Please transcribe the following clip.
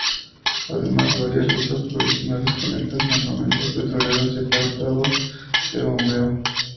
Además, varias rutas provinciales conectan campamentos petroleros y aparatos de bombeo.